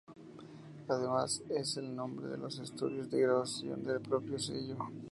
Además, es el nombre de los estudios de grabación del propio sello.